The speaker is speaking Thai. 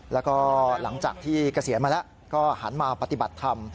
แล้วก็หลังจากที่เกษียณมาแล้วก็หันมาปฏิบัติธรรม